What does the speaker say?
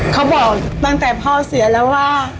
เขาบอกตั้งแต่พ่อเสียแล้วว่า